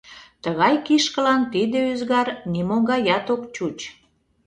Тыгай кишкылан тиде ӱзгар нимо гаят ок чуч.